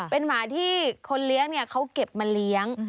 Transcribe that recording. เป็นหมาที่คนเลี้ยงเขาเก็บมาเลี้ยง